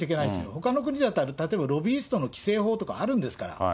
ほかの国だったら例えばロビイストの規制法とかあるんですから。